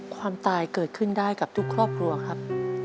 ความตายเกิดขึ้นได้กับทุกครอบครัวครับ